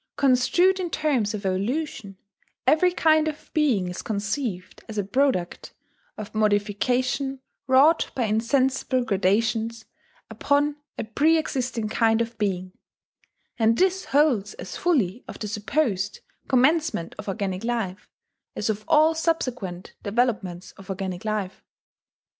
Construed in terms of evolution, every kind of being is conceived as a product of modification wrought by insensible gradations upon a preexisting kind of being; and this holds as fully of the supposed 'commencement of organic life' as of all subsequent developments of organic life....